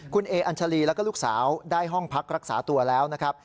คุณเออัญชาลีแล้วก็ลูกสาวได้ห้องพักรักษาตัวแล้วนะครับ